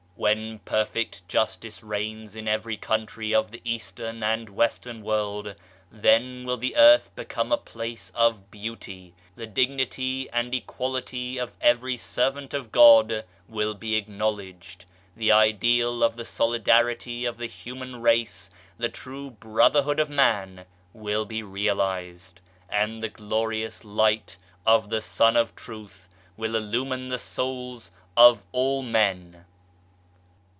When perfect justice reigns in every country of the Eastern and Western World, then will the Earth become a place of beauty. The dignity and equality of every servant of God will be acknowledged ; the ideal of the solidarity of the Human Race, the true Brotherhood of Man, will be realized ; and the Glorious Light of the Sun of Truth will illumine the souls of all men.